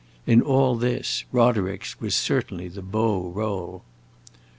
In all this, Roderick's was certainly the beau role.